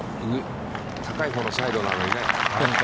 高いほうのサイドなのにね。